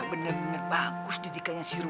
bener bener bagus didikanya si rum